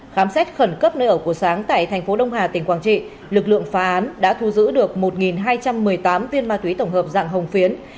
khám xét khẩn cấp nơi ở của sáng tại thành phố đông hà tỉnh quảng trị lực lượng phá án đã thu giữ được một hai trăm một mươi tám viên ma túy tổng hợp dạng hồng phiến